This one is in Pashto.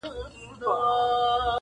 دا ربات یې دی هېر کړی له پېړیو-